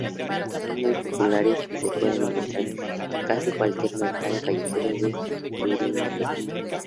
Son muy populares y se pueden encontrar en casi cualquier mercado callejero de Turingia.